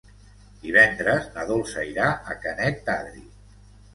Divendres na Dolça irà a Canet d'Adri.